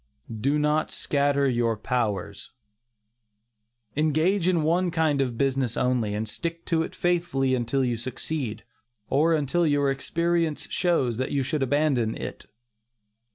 DO NOT SCATTER YOUR POWERS. Engage in one kind of business only, and stick to it faithfully until you succeed, or until your experience shows that you should abandon it.